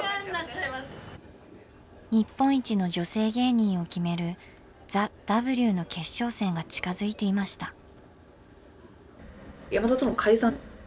日本一の女性芸人を決める「ＴＨＥＷ」の決勝戦が近づいていました。